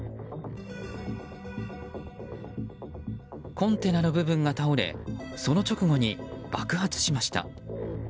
コンテナの部分が倒れその直後に爆発しました。